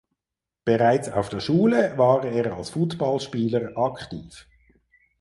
Bereits auf der Schule war er als Footballspieler aktiv.